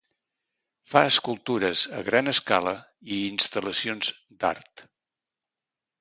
Fa escultures a gran escala i instal·lacions d'art.